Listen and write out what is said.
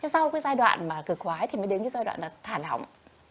sau cái giai đoạn mà cực khoái thì mới đến cái giai đoạn là thả lỏng